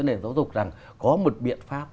nền giáo dục rằng có một biện pháp